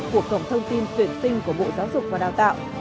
của cổng thông tin tuyển sinh của bộ giáo dục và đào tạo